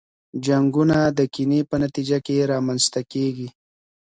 جنګونه د کینې په نتیجه کي رامنځته کیږي.